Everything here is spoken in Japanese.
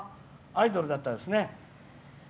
アイドルだったんですかね。